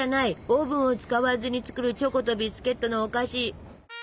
オーブンを使わずに作るチョコとビスケットのお菓子。